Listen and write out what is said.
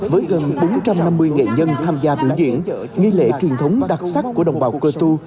với gần bốn trăm năm mươi nghệ nhân tham gia biểu diễn nghi lễ truyền thống đặc sắc của đồng bào cơ tu